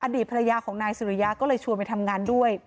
อดีตภรรยาของนายสุริยะก็เลยชวนไปทำงานด้วย